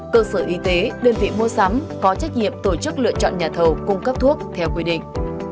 cơ sở y tế đơn vị mua sắm có trách nhiệm tổ chức lựa chọn nhà thầu cung cấp thuốc theo quy định